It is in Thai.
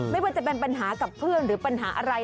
ไม่ว่าจะเป็นปัญหากับเพื่อนหรือปัญหาอะไร